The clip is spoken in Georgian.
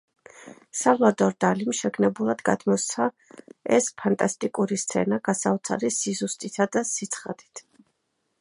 სალვადორ დალიმ შეგნებულად გადმოსცა ეს ფანტასტიკური სცენა გასაოცარი სიზუსტითა და სიცხადით.